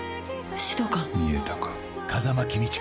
見えたか。